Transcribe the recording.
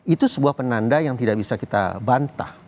itu sebuah penanda yang tidak bisa kita bantah